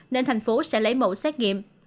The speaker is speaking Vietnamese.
nên thành phố sẽ lấy mẫu xét nghiệm